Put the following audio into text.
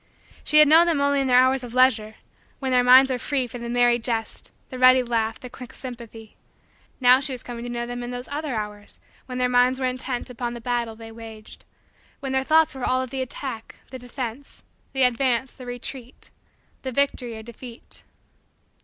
She had known them only in their hours of leisure when their minds were free for the merry jest, the ready laugh, the quick sympathy: now she was coming to know them in those other hours when their minds were intent upon the battle they waged when their thoughts were all of the attack, the defense, the advance, the retreat, the victory or defeat.